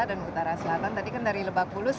dan utara selatan tadi kan dari lebakbulus